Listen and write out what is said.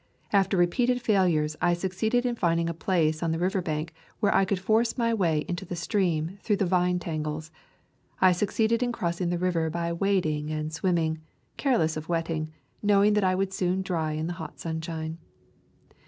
After repeated failures I succeeded in finding a place on the river bank where I could force my way into the stream through the vine tangles. I succeeded in crossing the river by wading and swimming, careless of wetting, knowing that I would soon dry in the hot sunshine.